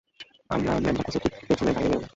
আমরা ম্যান্দ্রাকোসের ঠিক পিছনে বাইরে বেরোবো।